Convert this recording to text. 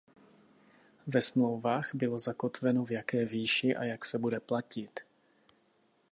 Ve smlouvách bylo zakotveno v jaké výši a jak se bude platit.